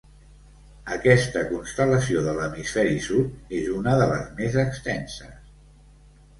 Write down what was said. Aquesta constel·lació de l'hemisferi sud és una de les més extenses.